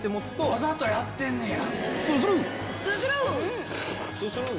わざとやってんねや。